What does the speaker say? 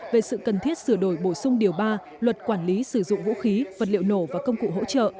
về sự cần thiết sửa đổi bổ sung điều ba luật quản lý sử dụng vũ khí vật liệu nổ và công cụ hỗ trợ